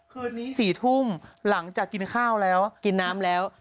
คืนนี้๔ทุ่มหลังจากกินข้าวแล้วกินน้ำแล้ว